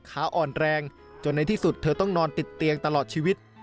ขาอ่อนแรงจนในที่สุดเธอต้องนอนติดเตียงตลอดชีวิต